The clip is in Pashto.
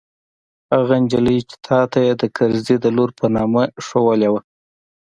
هغه نجلۍ چې تا ته يې د کرزي د لور په نامه ښييلې وه.